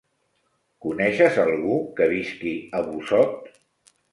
Coneixes algú que visqui a Busot?